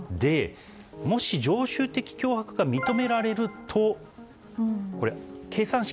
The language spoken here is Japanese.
もし、常習的脅迫が認められると計算式